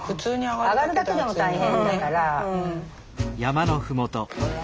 上がるだけでも大変だから。